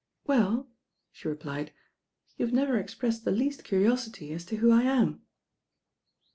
"Well," she replied, you have never expressed the least curiosity as to who I am."